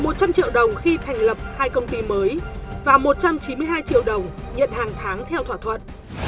một trăm linh triệu đồng khi thành lập hai công ty mới và một trăm chín mươi hai triệu đồng nhận hàng tháng theo thỏa thuận